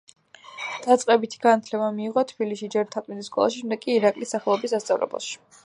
დაწყებით განათლება მიიღო თბილისში, ჯერ მთაწმინდის სკოლაში, შემდეგ კი ირაკლის სახელობის სასწავლებელში.